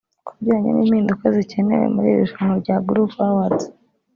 Ku bijyanye n’impinduka zikenewe muri iri rushanwa rya Groove Awards